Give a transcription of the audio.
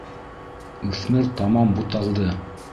Үҫмер тамам буталды.